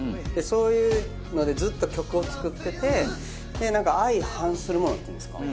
そういうのでずっと曲を作っててなんか相反するものっていうんですか。